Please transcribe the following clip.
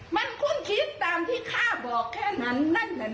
มันคุ้นคิดตามที่ข้าบอกแค่นั้นนั้นนั้นนั้น